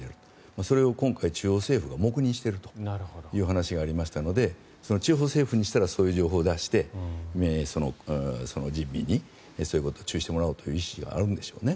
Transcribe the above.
それを今回中央政府が黙認しているという話がありましたので地方政府にしたらそういう情報を出して人民にそういうことを注意してもらおうという意識があるんでしょうね。